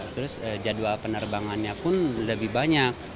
terus jadwal penerbangannya pun lebih banyak